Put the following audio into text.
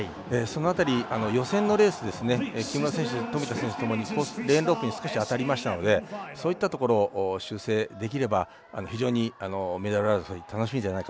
その辺り予選のレースですね木村選手富田選手ともにレーンロープに少し当たりましたのでそういったところを修正できれば非常にメダル争い楽しみじゃないかと思います。